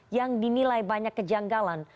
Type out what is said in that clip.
yang dinilai banyak kejanggalan